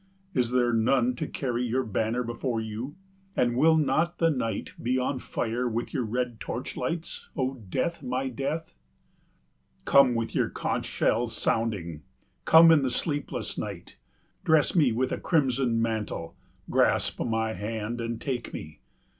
Is there none to carry your banner before you, and will not the night be on fire with your red torch lights, O Death, my Death? Come with your conch shells sounding, come in the sleepless night. Dress me with a crimson mantle, grasp my hand and take me.